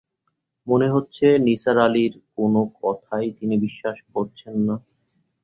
মনে হচ্ছে নিসার আলির কোনো কথাই তিনি বিশ্বাস করছেন না।